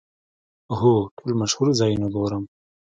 هو، ټول مشهور ځایونه ګورم